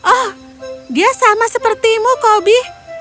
oh dia sama sepertimu koby